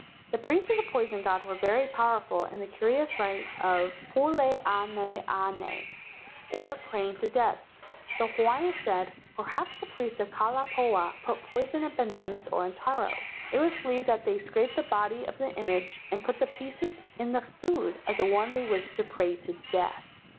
The priests of the poison god were very power¬ ful in the curious rite called pule ana ana, or praying to death. The Hawaiians said: "Per¬ haps the priests of Kalai pahoa put poison in bananas or in taro. It was believed that they scraped the body of the image and put the pieces in the food of the one they wished to pray to death.